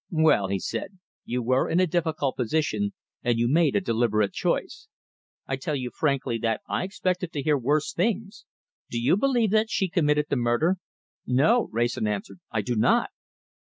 "Well," he said, "you were in a difficult position, and you made a deliberate choice. I tell you frankly that I expected to hear worse things. Do you believe that she committed the murder?" "No!" Wrayson answered. "I do not!"